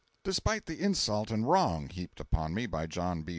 Despite the insult and wrong heaped upon me by John B.